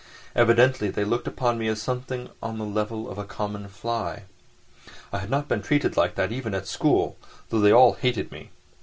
Evidently they looked upon me as something on the level of a common fly. I had not been treated like that even at school, though they all hated me.